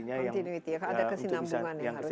ada kesinambungan yang harus bisa